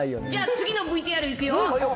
じゃあ、次のＶＴＲいくよ。